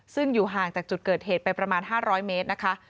ซึ่งอยู่ห่างจากจุดเกิดเหตุไปประมาณ๕๐๐เมตรนะคะ